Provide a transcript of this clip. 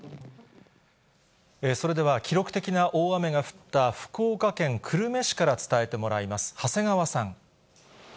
それでは、記録的な大雨が降った福岡県久留米市から伝えてもらいます。